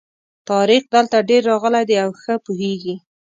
طارق دلته ډېر راغلی دی او ښه پوهېږي.